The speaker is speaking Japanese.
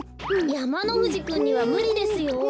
やまのふじくんにはむりですよ。